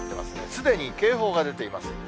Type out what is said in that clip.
すでに警報が出ています。